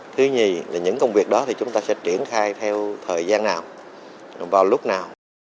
thứ hai là những công việc đó thì chúng ta sẽ triển khai theo thời gian nào vào lúc nào